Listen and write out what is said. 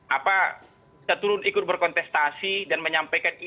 apa kita turun ikut berkontestasi dan menyampaikan ide ide kita